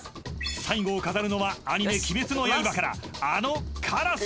［最後を飾るのはアニメ『鬼滅の刃』からあのカラス！］